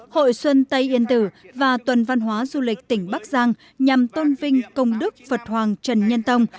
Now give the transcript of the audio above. hội xuân tây yên tử và tuần văn hóa du lịch tỉnh bắc giang nhằm tôn vinh công đức phật hoàng trần nhân tông